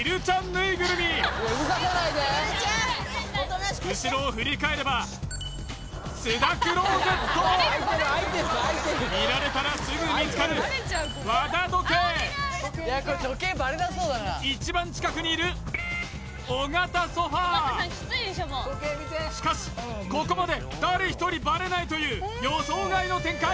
ぬいぐるみ後ろを振り返れば須田クローゼット見られたらすぐ見つかる和田時計一番近くにいる尾形ソファーしかしここまで誰一人バレないという予想外の展開